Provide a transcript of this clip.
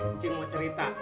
incing mau cerita